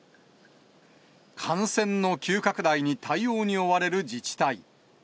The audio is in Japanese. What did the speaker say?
感染の急拡大に、対応に追われる自治体。